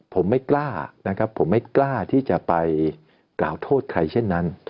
ผมไม่กล้านะครับผมไม่กล้าที่จะไปกล่าวโทษใครเช่นนั้น